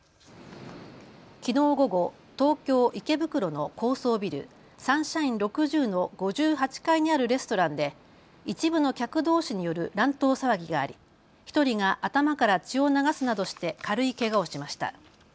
きのう午後、東京池袋の高層ビル、サンシャイン６０の５８階にあるレストランで一部の客どうしによる乱闘騒ぎがあり１人が頭から血を流すなどして軽いけがをしました。